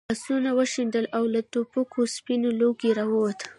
آسونه وشڼېدل او له ټوپکو سپین لوګی راووت.